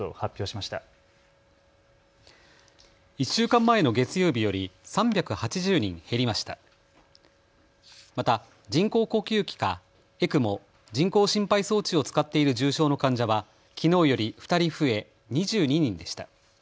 また人工呼吸器かＥＣＭＯ・人工心肺装置を使っている重症の患者は、きのうより２人増え２２人でした。